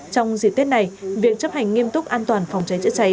trong dịp tết này việc chấp hành nghiêm túc an toàn phòng cháy chữa cháy